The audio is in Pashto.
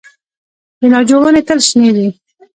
د ناجو ونې تل شنې وي؟